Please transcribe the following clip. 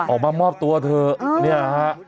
ออกมามอบตัวเถอะเนี่ยฮะ